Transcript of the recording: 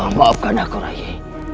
maafkan aku rai